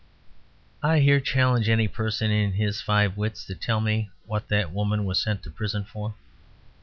I here challenge any person in his five wits to tell me what that woman was sent to prison for.